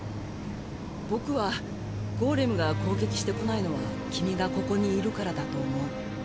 僕はゴーレムが攻撃してこないのは君がここにいるからだと思う。